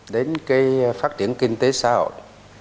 đến cái phát triển kinh tế xã hội